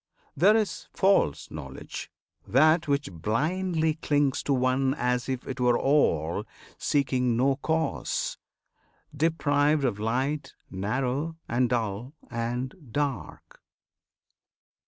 There is false Knowledge: that which blindly clings To one as if 'twere all, seeking no Cause, Deprived of light, narrow, and dull, and "dark."